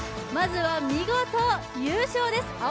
まずは見事、優勝です。